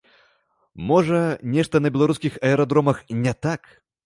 Можа, нешта на беларускіх аэрадромах не так?